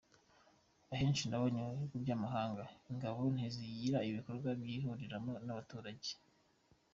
Ahenshi nabonye mu bihugu by’amahanga, ingabo ntizigira ibikorwa zihuriramo n’abaturage.